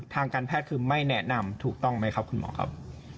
ทางการแพทย์คือไม่แนะนำถูกต้องไหมครับคุณหมอครับ